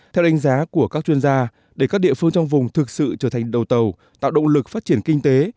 theo đánh giá của các chuyên gia để các địa phương trong vùng thực sự trở thành đầu tàu tạo động lực phát triển kinh tế